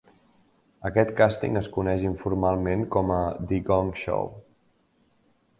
Aquest càsting es coneix informalment com a "The Gong Show".